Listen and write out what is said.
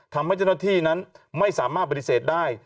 ทำให้เจ้าหน้าที่นั้นไม่สามารถปฏิเสธได้